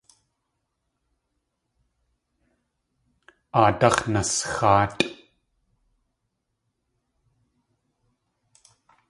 Aadáx̲ nasxáatʼ!